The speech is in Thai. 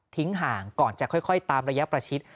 ห่างก่อนจะค่อยตามระยะประชิด